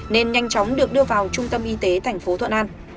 nên nhanh chóng được đưa vào trung tâm y tế tp thuận an